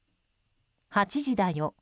「８時だよ！